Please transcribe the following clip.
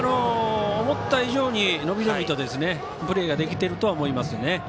思った以上に伸び伸びとプレーができていると思いますね。